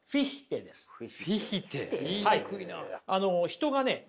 人がね